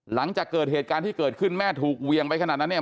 หลังจากเกิดเหตุการณ์ที่เกิดขึ้นแม่ถูกเวียงไปขนาดนั้นเนี่ย